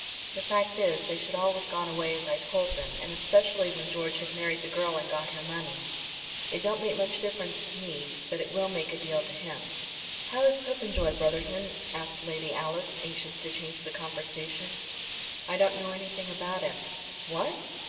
"The fact is they should all have gone away as I told them, and especially when George had married the girl and got her money. It don't make much difference to me, but it will make a deal to him." "How is Popenjoy, Brotherton?" asked Lady Alice, anxious to change the conversation. "I don't know anything about him." "What!"